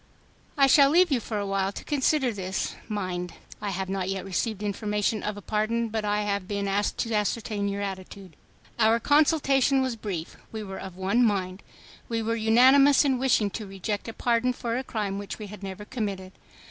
"I shall leave you for a while to consider this. Mind! I have not yet received information of a pardon, but I have been asked to ascertain your attitude." Our consultation was brief. We were of one mind. We were unanimous in wishing to reject a pardon for a crime which we had never committed.